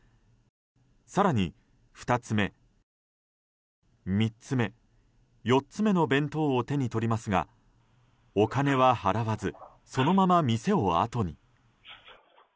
更に２つ目、３つ目、４つ目の弁当を手に取りますが、お金は払わずそのまま店をあとに。